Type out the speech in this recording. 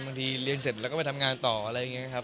บางทีเรียนเสร็จแล้วก็ไปทำงานต่ออะไรอย่างนี้ครับ